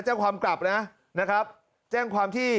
แจ้งความกลับนะนะครับแจ้งความที่